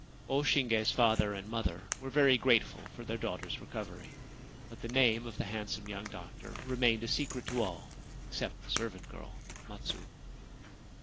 O Shinge's father and mother were very grateful for their daughter's recovery ; but the name of the handsome young doctor remained a secret to all except the servant girl Matsu.